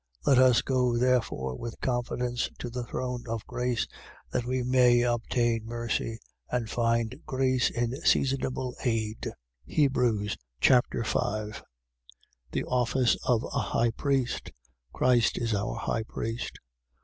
4:16. Let us go therefore with confidence to the throne of grace: that we may obtain mercy and find grace in seasonable aid. Hebrews Chapter 5 The office of a high priest. Christ is our high priest.